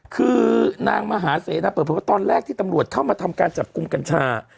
คือนางมหาเสนะเปิดเผยว่าตอนแรกที่ตำรวจเข้ามาทำการจับกลุ่มกัญชา